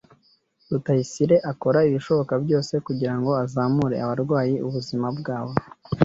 Rutayisire akora ibishoboka byose kugirango azamure abarwayi ubuzima bwabo.